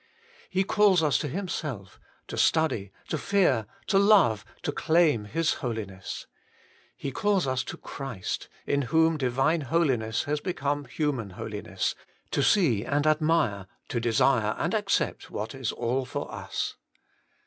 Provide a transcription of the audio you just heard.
He calls us to Himself, to study, to fear, to love, to claim His Holiness. He calls us to Christ, in whom Divine Holiness became human Holiness, to see and admire, to desire and accept what is all for us.